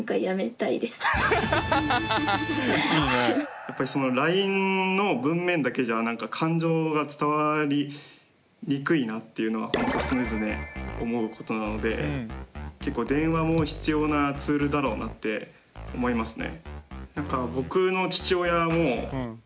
やっぱりそのＬＩＮＥの文面だけじゃなんか感情が伝わりにくいなっていうのはほんと常々思うことなので結構電話も必要なツールだろうなって思いますね。